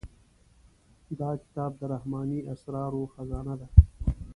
دا کتاب د رحماني اسرارو خزانه ده.